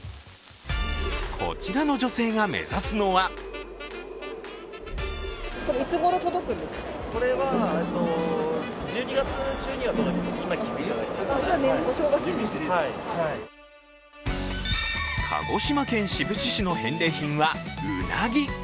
こちらの女性が目指すのは鹿児島県志布志市の返礼品はうなぎ。